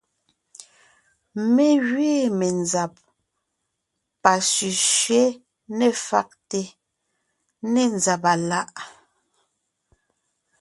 Mé gẅiin menzab pá sẅísẅé ne fàgte ne nzàba láʼ.